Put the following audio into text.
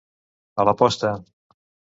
A la posta.